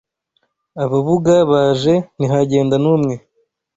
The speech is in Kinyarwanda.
Ababuga baje ntihagenda n’umwe